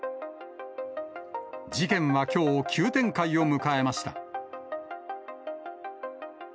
事件はきょう、急展開を迎えました。